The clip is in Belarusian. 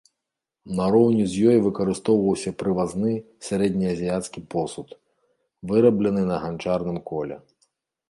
Нароўні з ёй выкарыстоўваўся прывазны сярэднеазіяцкі посуд, выраблены на ганчарным коле.